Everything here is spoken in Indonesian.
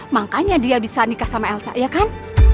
makanya dia bisa nikah sama elsa ya kan